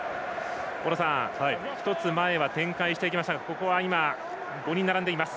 大野さん、１つ前は展開していきましたがここは今、５人並んでいます。